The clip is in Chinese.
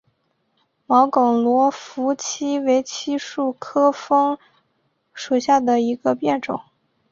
毛梗罗浮槭为槭树科枫属下的一个变种。